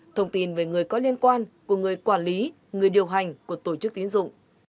thông tin về người có liên quan của người quản lý người điều hành của tổ chức tiến dụng